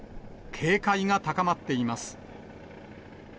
警戒が高まっています。